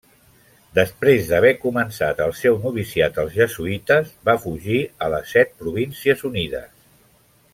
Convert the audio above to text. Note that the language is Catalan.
Després d'haver començat el seu noviciat als jesuïtes, va fugir a les Set Províncies Unides.